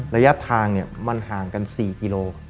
ระยะทางมันห่างกัน๔กิโล